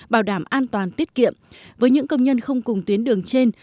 bảo đảm an toàn tiết kiệm với những công nhân không cùng tuyến đường trên